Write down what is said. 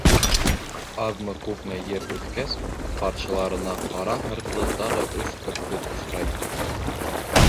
Аҙмы-күпме ер үткәс, ҡаршыларына Ҡара һыртлы тағы өс көртлөк осрай.